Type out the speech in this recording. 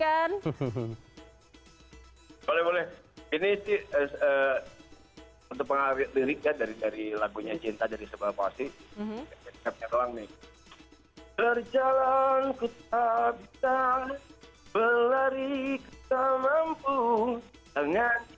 punya cinta dari seberapa sih terang nih berjalan kutabta berlari tak mampu dengan